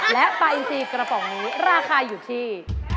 และปลาอินซีกระป๋องนี้ราคาอยู่ที่